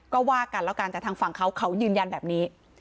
ก็ว่ากันแล้วกันแต่ทางฝั่งเขาเขายืนยันแบบนี้